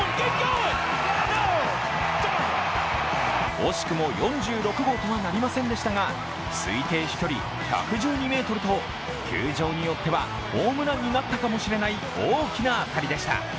惜しくも４６号とはなりませんでしたが、推定飛距離１１２ｍと、球場によってはホームランになったかもしれない大きな当たりでした。